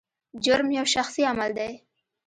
جرم یو شخصي عمل دی.